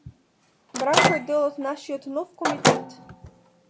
Бранко е дел од нашиот нов комитет.